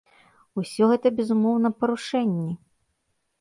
Усё гэта, безумоўна, парушэнні.